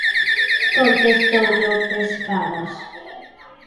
"Contestoulle o "Pescadas":"